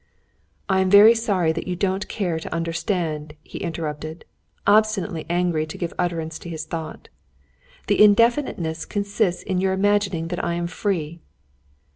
"I am very sorry that you don't care to understand," he interrupted, obstinately anxious to give utterance to his thought. "The indefiniteness consists in your imagining that I am free."